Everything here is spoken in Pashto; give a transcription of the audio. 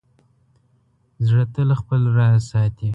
زړه تل خپل راز ساتي.